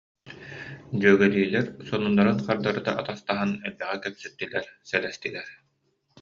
Дьүөгэлиилэр сонуннарын хардарыта атастаһан элбэҕи кэпсэттилэр, сэлэстилэр